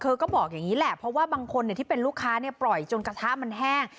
ก็บอกอย่างนี้แหละเพราะว่าบางคนที่เป็นลูกค้าปล่อยจนกระทะมันแห้ง